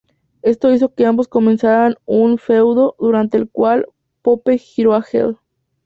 Esto hizo que ambos comenzaran un feudo, durante el cual, Pope giró a heel.